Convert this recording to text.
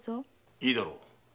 いいだろう。